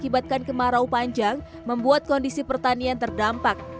akibatkan kemarau panjang membuat kondisi pertanian terdampak